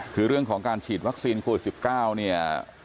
คือเรื่องของการฉีดวัคซีนโควิด๑๙เนี่ย